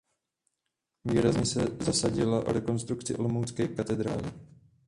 Výrazně se zasadila o rekonstrukci olomoucké katedrály.